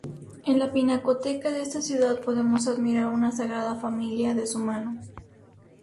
En la pinacoteca de esta ciudad podemos admirar una "Sagrada Familia" de su mano.